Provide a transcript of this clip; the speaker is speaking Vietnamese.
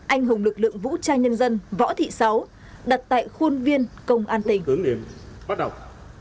anh hùng lực lượng vũ trai nhân dân võ thị sáu đặt tại khuôn viên công an tỉnh